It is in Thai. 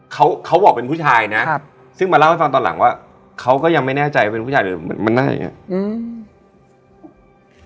เขาเขาบอกเป็นผู้ชายนะครับซึ่งมาเล่าให้ฟังตอนหลังว่าเขาก็ยังไม่แน่ใจว่าเป็นผู้ชายหรือเหมือนมันหน้าอย่างเงี้ยอืม